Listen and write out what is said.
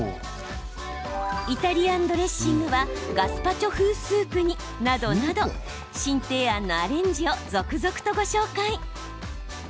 イタリアンドレッシングはガスパチョ風スープになどなど、新提案のアレンジを続々とご紹介。